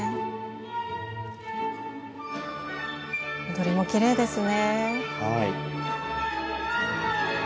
踊りもきれいですね。